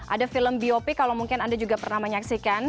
ada film bop kalau mungkin anda juga pernah menyaksikan